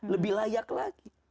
lebih layak lagi